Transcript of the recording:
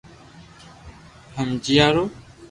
ھمجيا رو